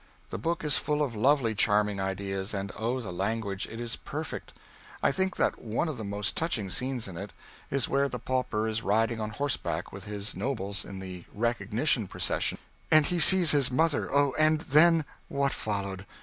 The book is full of lovely charming ideas, and oh the language! It is perfect. I think that one of the most touching scenes in it, is where the pauper is riding on horseback with his nobles in the "recognition procession" and he sees his mother oh and then what followed!